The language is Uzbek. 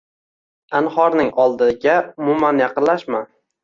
Anhorning oldiga umuman yaqinlashma!